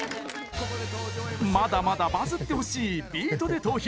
まだまだバズってほしい「ビートＤＥトーヒ」。